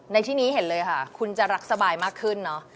ในที่นี้เห็นเลยค่ะคุณจะรักสบายมากขึ้นเนอะ